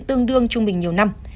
tương đương trung bình nhiều năm